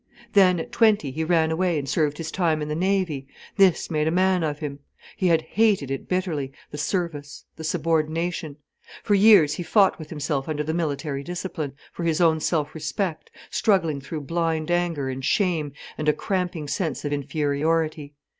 Then at twenty he ran away and served his time in the Navy. This made a man of him. He had hated it bitterly, the service, the subordination. For years he fought with himself under the military discipline, for his own self respect, struggling through blind anger and shame and a cramping sense of inferiority.